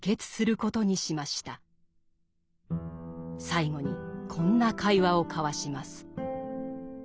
最後にこんな会話を交わします。